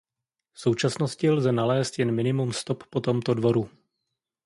V současnosti lze nalézt jen minimum stop po tomto dvoru.